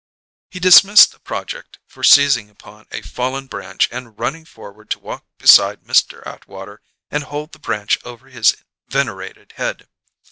He dismissed a project for seizing upon a fallen branch and running forward to walk beside Mr. Atwater and hold the branch over his venerated head.